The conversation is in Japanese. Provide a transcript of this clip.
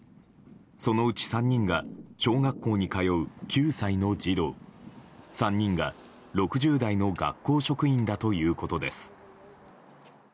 そのうち３人が小学校に通う９歳の児童３人が６０代の学校職員だということです。